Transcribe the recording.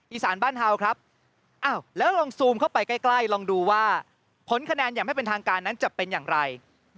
อีสานบ้านเฮาวครับแล้วลองซูมเข้าไปใกล้ลองดูว่าผลคะแนนอย่างไม่เป็นทางการนั้นจะเป็นอย่างไร